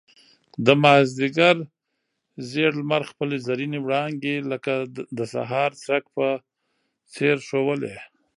د مازيګر زېړ لمر خپل زرينې وړانګې لکه د سهار څرک په څېر ښوولې.